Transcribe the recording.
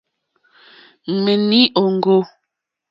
Ŋmèní òŋɡô.